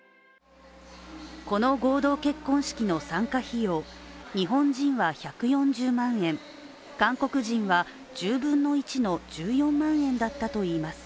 この合同結婚式の参加費用日本人は１４０万円、韓国人は１０分の１の１４万円だったといいます。